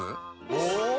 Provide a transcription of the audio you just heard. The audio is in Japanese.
お！